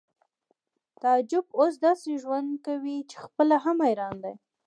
تعجب اوس داسې ژوند کوي چې خپله هم حیران دی